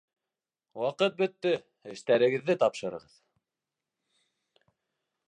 Ваҡыт бөттө. Эштәрегеҙҙе тапшырығыҙ